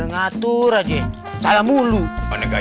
ngatur aja salah mulu muluh